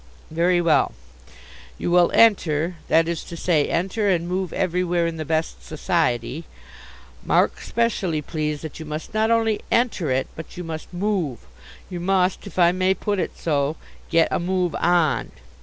"Very well. You will enter, that is to say, enter and move everywhere in the best society. Mark specially, please, that you must not only enter it but you must move. You must, if I may put it so, get a move on."